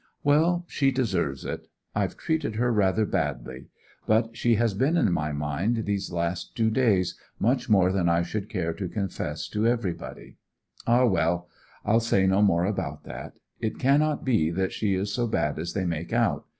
'Well—she deserves it. I've treated her rather badly. But she has been in my mind these last two days much more than I should care to confess to everybody. Ah, well; I'll say no more about that. It cannot be that she is so bad as they make out.